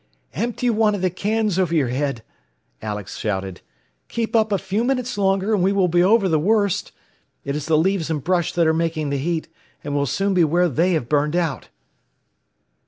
"Empty one of the cans over your head," Alex shouted. "Keep up a few minutes longer, and we will be over the worst. It is the leaves and brush that are making the heat, and we'll soon be where they have burned out.